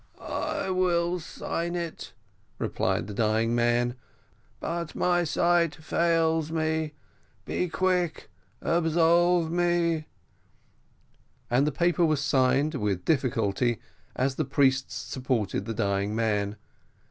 "I will sign it," replied the dying man; "but my sight fails me; be quick, absolve me." And the paper was signed, with difficulty, as the priests supported the dying man.